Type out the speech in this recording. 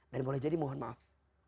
dan boleh jadi mohon maaf